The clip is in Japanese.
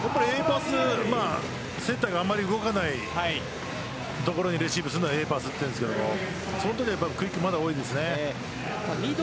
セッターがあまり動かない所にレシーブするのをＡパスというんですがそのときのクイック多いですね。